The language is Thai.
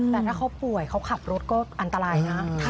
แต่ถ้าเขาป่วยเขาขับรถก็อันตรายนะ